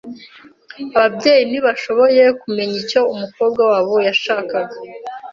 Ababyeyi ntibashoboye kumenya icyo umukobwa wabo yashakaga.